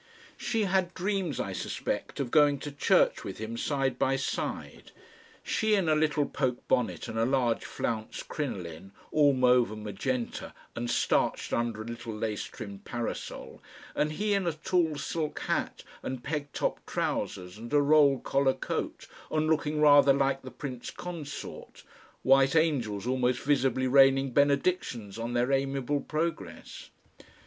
She had dreams, I suspect, of going to church with him side by side; she in a little poke bonnet and a large flounced crinoline, all mauve and magenta and starched under a little lace trimmed parasol, and he in a tall silk hat and peg top trousers and a roll collar coat, and looking rather like the Prince Consort, white angels almost visibly raining benedictions on their amiable progress.